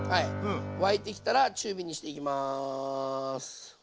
沸いてきたら中火にしていきます。